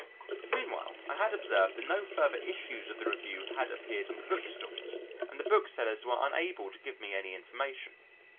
Meanwhile, I had observed that no further issues of the review had appeared on the bookstalls, and the book sellers were unable to give me any information.